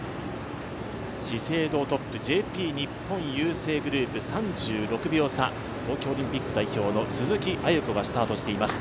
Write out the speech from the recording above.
資生堂トップ、ＪＰ日本郵政グループ３６秒差、東京オリンピック代表の鈴木亜由子がスタートしています。